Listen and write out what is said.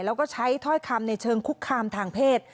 แล้วก็ใช้ถ้อยคำในเชิงคุกคามทางเพศ